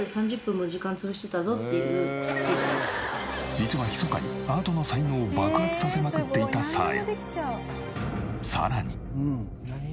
実はひそかにアートの才能を爆発させまくっていたサーヤ。